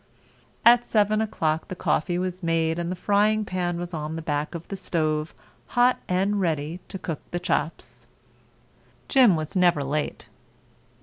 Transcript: At 7 o'clock the coffee was made and the frying pan was on the back of the stove hot and ready to cook the chops. Jim was never late.